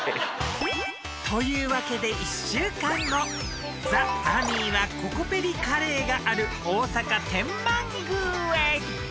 ［というわけで１週間後ザ・マミィはココペリカレーがある大阪天満宮へ］